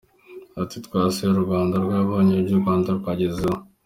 Yagize ati “ Twasuye u Rwanda, twiboneye ibyo u Rwanda rwagezeho.